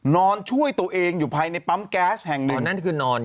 นอนช่วยตัวเองอยู่ภายในปั๊มแก๊สแห่งหนึ่ง